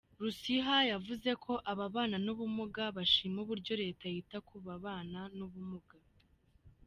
Rusiha yavuze ko ababana n’ubumuga bashima uburyo Leta yita ku babana n’ubumuga.